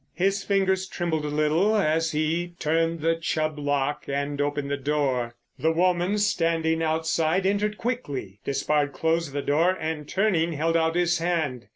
His fingers trembled a little as he turned the Chubb lock and opened the door. The woman standing outside entered quickly. Despard closed the door, and, turning, held out his hand.